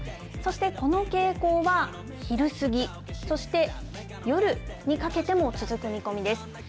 そしてこの傾向は昼過ぎ、そして夜にかけても続く見込みです。